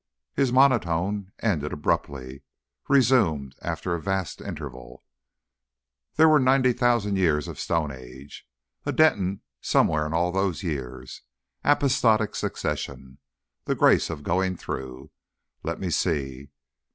His monotone, ended abruptly, resumed after a vast interval. "There were ninety thousand years of stone age. A Denton somewhere in all those years. Apostolic succession. The grace of going through. Let me see!